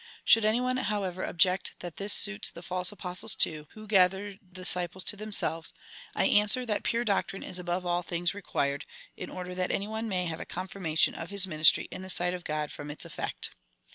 Should any one, however, object, that this suits the false Aj)ostles too, who gather disciples to themselves, I answer, that pure doctrine is above all things required, in order that any one may have a confirmation of his ministry in the sight of God from its effect.